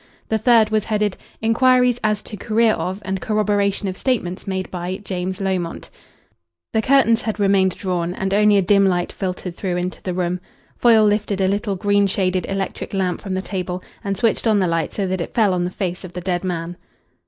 The third was headed: "Inquiries as to career of, and corroboration of statements made by, James Lomont." The curtains had remained drawn, and only a dim light filtered through into the room. Foyle lifted a little green shaded electric lamp from the table, and switched on the light so that it fell on the face of the dead man.